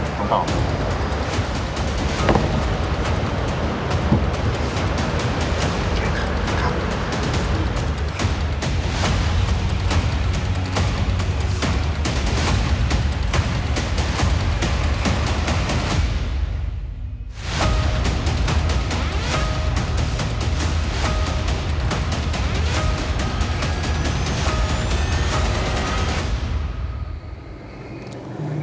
นั่นเป็นความหวังเดียวของเรานะต้องตอบ